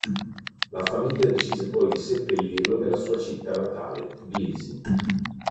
La famiglia decise poi di seppellirlo nella sua città natale Tbilisi.